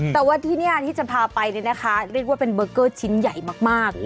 แต่ว่าที่นี่ที่จะพาไปเนี่ยนะคะเรียกว่าเป็นเบอร์เกอร์ชิ้นใหญ่มาก